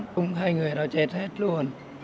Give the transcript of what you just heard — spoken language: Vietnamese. cũng hai người đó chết hết luôn